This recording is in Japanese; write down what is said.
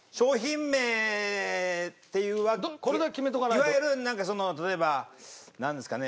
いわゆるなんかその例えばなんですかね